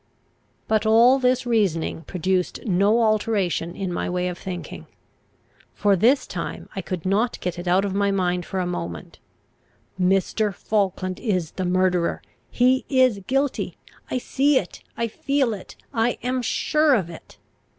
But all this reasoning produced no alteration in my way of thinking. For this time I could not get it out of my mind for a moment: "Mr. Falkland is the murderer! He is guilty! I see it! I feel it! I am sure of it!"